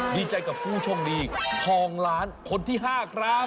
ดีใจกับผู้ช่องบีทองร้านคนที่๕กรับ